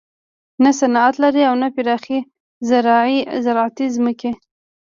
نه صنعت لري او نه پراخې زراعتي ځمکې.